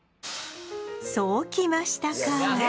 そうきましたか！